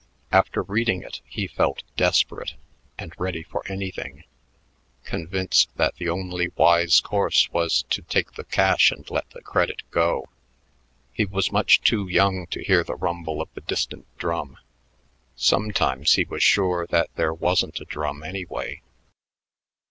After reading it, he felt desperate and ready for anything, convinced that the only wise course was to take the cash and let the credit go. He was much too young to hear the rumble of the distant drum. Sometimes he was sure that there wasn't a drum, anyway.